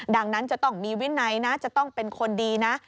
ดังนั้นจะต้องมีวินัยนะจะต้องเป็นคนดีนะ